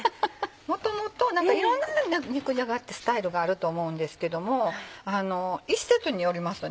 もともといろんな肉じゃがってスタイルがあると思うんですけども一説によりますと